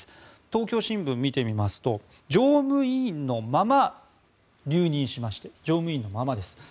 東京新聞を見てみますと常務委員のまま留任しまして常務委員のままです。